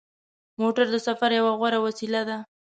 موټر د سفر یوه غوره وسیله ده.